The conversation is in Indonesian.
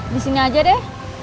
disini aja deh